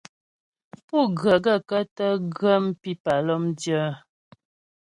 Pú ghə̀ gaə̂kə́ tə ghə́ pípà lɔ́mdyə́ ?